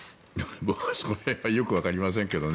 僕はそこら辺はよくわかりませんけどね。